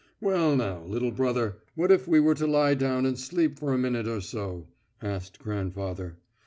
"Well now, little brother, what if we were to lie down and sleep for a minute or so?" asked grandfather.